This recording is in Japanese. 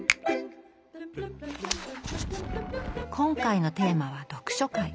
今回のテーマは読書会。